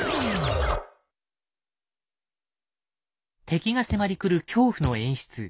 敵が迫りくる恐怖の演出。